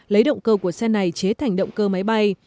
lấy động cơ của xe này chế thành động cơ máy bay